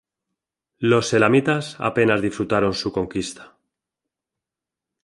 Los "elamitas" apenas disfrutaron su conquista.